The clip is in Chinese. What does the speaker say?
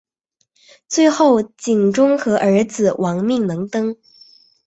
最后景忠和儿子亡命能登。